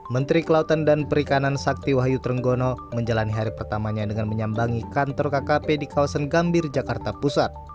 menteri kelautan dan perikanan sakti wahyu trenggono menjalani hari pertamanya dengan menyambangi kantor kkp di kawasan gambir jakarta pusat